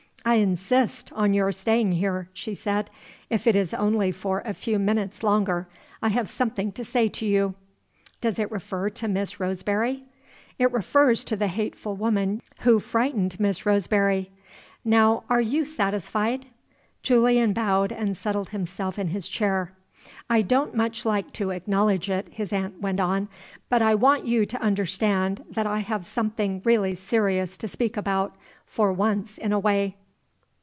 "I insist on your staying here," she said, "if it is only for a few minutes longer. I have something to say to you." "Does it refer to Miss Roseberry?" "It refers to the hateful woman who frightened Miss Roseberry. Now are you satisfied?" Julian bowed, and settled himself in his chair. "I don't much like to acknowledge it," his aunt went on. "But I want you to understand that I have something really serious to speak about, for once in a way.